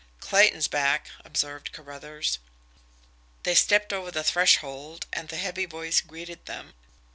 "Clayton's back," observed Carruthers. They stepped over the threshold, and the heavy voice greeted them.